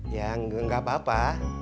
ya enggak apa apa